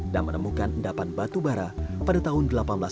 dan menemukan endapan batu bara pada tahun seribu delapan ratus enam puluh delapan